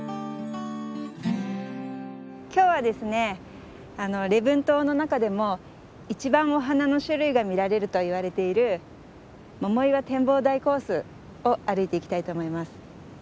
今日はですね礼文島の中でも一番お花の種類が見られるといわれている桃岩展望台コースを歩いていきたいと思います。